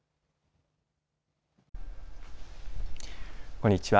こんにちは。